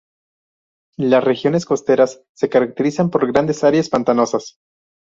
Las regiones costeras se caracterizan por grandes áreas pantanosas.